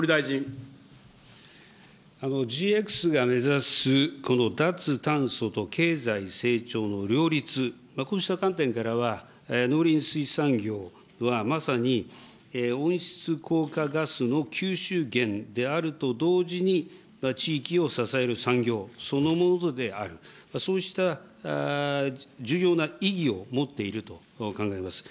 ＧＸが目指すこの脱炭素と経済成長の両立、こうした観点からは、農林水産業はまさに温室効果ガスの吸収源であると同時に、地域を支える産業そのものである、そうした重要な意義を持っていると考えます。